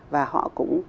và họ cũng